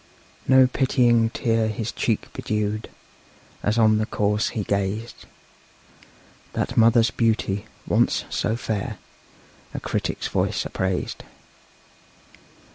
No pitying tear his cheek bedewed, As on the corse he gazed; That mother's beauty, once so fair, A critic's voice appraised.